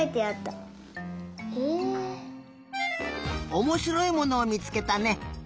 おもしろいものをみつけたね。